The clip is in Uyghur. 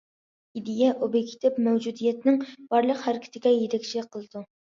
ئىدىيە ئوبيېكتىپ مەۋجۇدىيەتنىڭ بارلىق ھەرىكىتىگە يېتەكچىلىك قىلىدۇ.